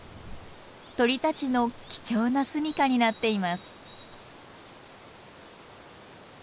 鳥たちの貴重なすみかになっています。